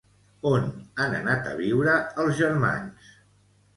On han anat a viure els germans?